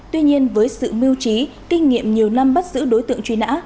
tuy nhiên với sự mưu trí kinh nghiệm nhiều năm bắt giữ đối tượng truy nã